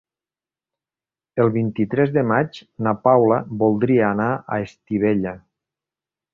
El vint-i-tres de maig na Paula voldria anar a Estivella.